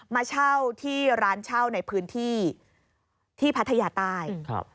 มาเช่าที่ร้านเช่าในพื้นที่พัทยาตาล